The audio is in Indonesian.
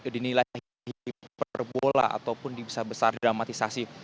diperbola ataupun bisa besar dramatisasi